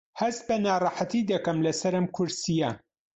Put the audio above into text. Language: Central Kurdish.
هەست بە ناڕەحەتی دەکەم لەسەر ئەم کورسییە.